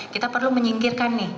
kita perlu menyingkirkan nih